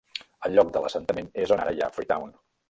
El lloc de l'assentament és on ara hi ha Freetown.